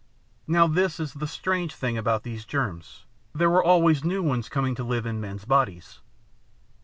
"Now this is the strange thing about these germs. There were always new ones coming to live in men's bodies.